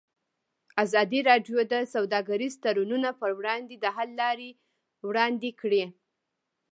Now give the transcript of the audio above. ازادي راډیو د سوداګریز تړونونه پر وړاندې د حل لارې وړاندې کړي.